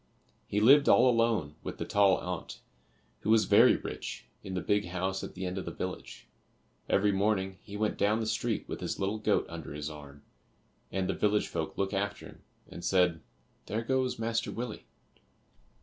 He lived all alone with the tall aunt, who was very rich, in the big house at the end of the village. Every morning he went down the street with his little goat under his arm, and the village folk looked after him and said, "There goes Master Willie."